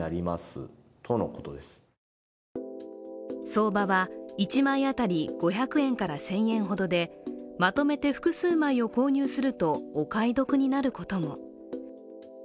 相場は１枚当たり５００円から１０００円ほどでまとめて複数枚を購入すると、お買い得になることも。